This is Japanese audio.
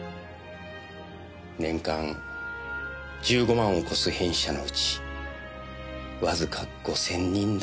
年間１５万を超す変死者のうちわずか５０００人だ。